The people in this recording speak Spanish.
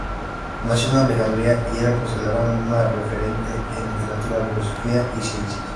Nació en Alejandría, y era considerado un referente en literatura, filosofía, y ciencias.